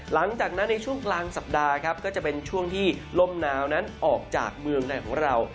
หลังจากนั้นในช่วงกลางสัปดาห์ครับก็จะเป็นช่วงที่ลมหนาวนั้นออกจากเมืองไทยของเรา